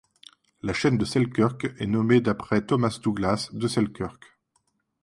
La chaîne de Selkirk est nommée d'après Thomas Douglas, de Selkirk.